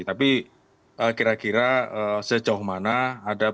tapi kira kira sejauh mana